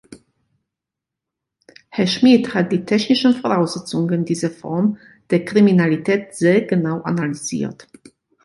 Herr Schmid hat die technischen Voraussetzungen dieser Form der Kriminalität sehr genau analysiert.